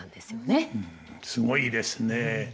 すごいですね。